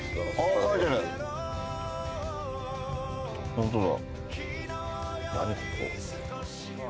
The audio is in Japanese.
ホントだ。